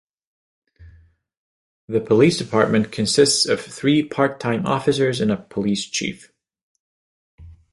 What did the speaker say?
The police department consists of three part-time officers and a police chief.